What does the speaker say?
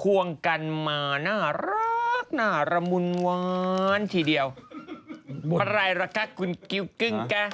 ควงกันมาน่ารักน่าระมุนว้านทีเดียวใครล่ะคะคุณกิ๊วกึ้งแกะ